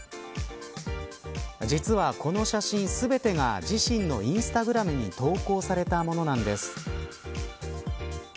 実は、この写真全てが自身のインスタグラムに投稿されたものなんです。